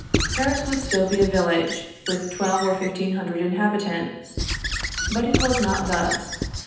Paris would still be a village, with twelve or fifteen hundred inhabitants. But it was not thus.